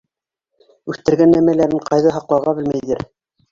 Үҫтергән нәмәләрен ҡайҙа һаҡларға белмәйҙәр.